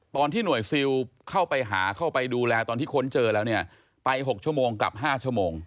ตอนที่หน่วยซิลเข้าไปหาเข้าไปดูแลตอนที่ค้นเจอแล้วเนี่ยไป๖ชั่วโมงกลับ๕ชั่วโมง